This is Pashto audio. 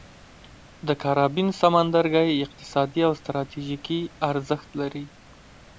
د کارابین سمندرګي اقتصادي او ستراتیژیکي ارزښت لري.